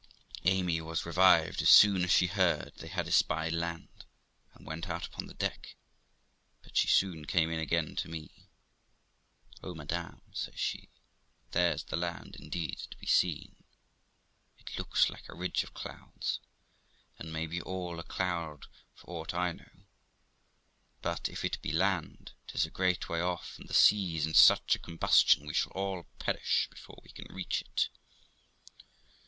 Amy was revived as soon as she heard they had espied land, and went out upon the deck ; but she soon came in again to me. ' Oh, madam 1 ' says she, 'there's the land, indeed, to be seen. It looks like a ridge of clouds, and may be all a cloud for aught I know ; but if it be land, tis a great way off, and the sea is in such a combustion, we shall all perish before we can reach it.